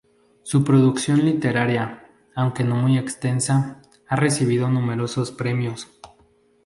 Su producción literaria, aunque no muy extensa, ha recibido numerosos premios.